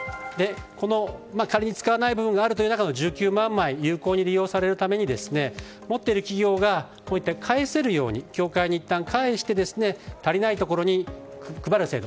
仮に使わない分があるという中の１９万枚有効に利用されるために持っている企業が返せるように協会にいったん返して足りないところに配る制度。